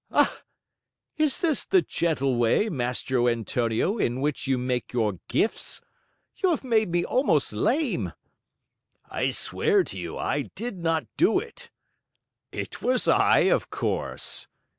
"Ah! Is this the gentle way, Mastro Antonio, in which you make your gifts? You have made me almost lame!" "I swear to you I did not do it!" "It was I, of course!"